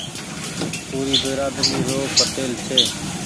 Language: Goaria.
پوري بيرآدري رو پٽيل ڇي۔